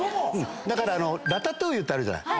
だからラタトゥイユってあるじゃない。